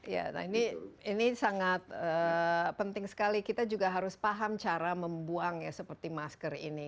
ya nah ini sangat penting sekali kita juga harus paham cara membuang ya seperti masker ini